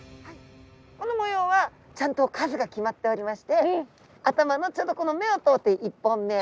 この模様はちゃんと数が決まっておりまして頭のちょうどこの目を通って１本目。